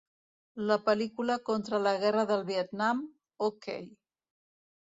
La pel·lícula contra la Guerra del Vietnam, o.k.